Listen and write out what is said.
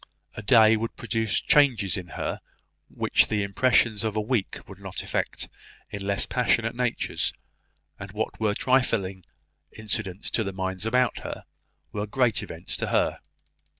A day would produce changes in her which the impressions of a week would not effect in less passionate natures; and what were trifling incidents to the minds about her, were great events to her.